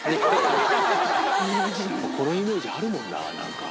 このイメージあるもんななんか。